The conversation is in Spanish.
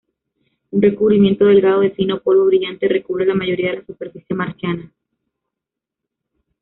Un recubrimiento delgado de fino polvo brillante recubre la mayoría de la superficie marciana.